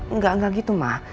enggak enggak gitu ma